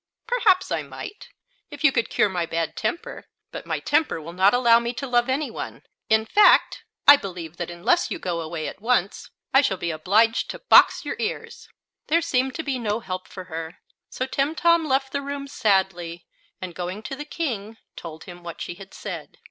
"Perhaps I might, if you could cure my bad temper; but my temper will not allow me to love any one. In fact, I believe that unless you go away at once I shall be obliged to box your ears!" There seemed to be no help for her, so Timtom left the room sadly, and going to the King, told him what she had said.